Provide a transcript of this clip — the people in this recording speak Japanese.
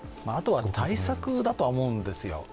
あとは対策だと思うんですよ。